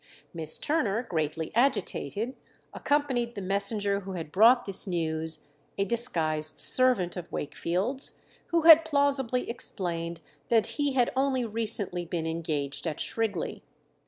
Miss Turner, greatly agitated, accompanied the messenger who had brought this news, a disguised servant of Wakefield's, who had plausibly explained that he had only recently been engaged at Shrigley.